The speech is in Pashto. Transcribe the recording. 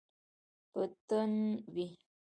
په تن وی